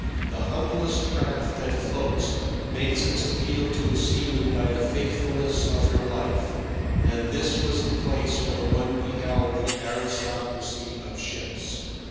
The humblest craft that floats makes its appeal to a seaman by the faithfulness of her life; and this was the place where one beheld the aristocracy of ships.